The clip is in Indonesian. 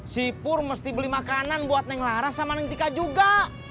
sipur mesti beli makanan buat neng laras sama nintika juga